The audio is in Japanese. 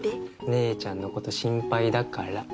姉ちゃんのこと心配だから。